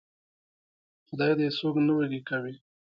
خدای دې څوک نه وږي کوي.